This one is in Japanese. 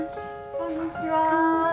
こんにちは。